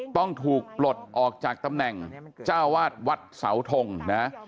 ต้องถูกปลดออกจากตำแหน่งเจ้าวาดวัดเสาทงนะ